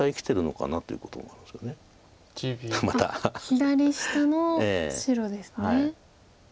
左下の白ですね。